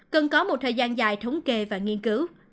cần có một thời gian dài thống kê và nghiên cứu